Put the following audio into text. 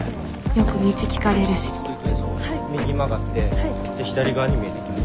よく道聞かれるし右曲がって左側に見えてきます。